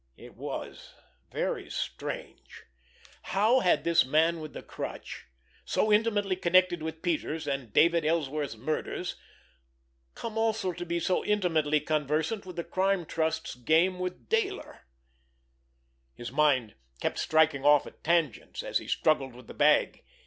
It was very strange! How had this Man with the Crutch, so intimately connected with Peters' and David Ellsworth's murders, come also to be so intimately conversant with the Crime Trust's game with Dayler? His mind kept striking off at tangents, as he struggled with the bag.